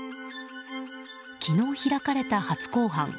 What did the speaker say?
昨日開かれた初公判。